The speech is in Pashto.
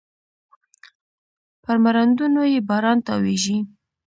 پر مړوندونو يې باران تاویږې